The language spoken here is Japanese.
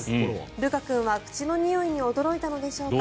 ルカ君は口のにおいに驚いたのでしょうか。